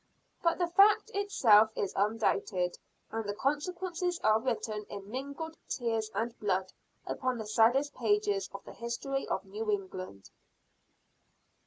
But the fact itself is undoubted, and the consequences are written in mingled tears and blood upon the saddest pages of the history of New England.